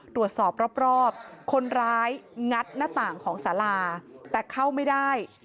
ตรวจสอบรอบคนร้ายงัดหน้าต่างของสาราแต่เข้าไม่ได้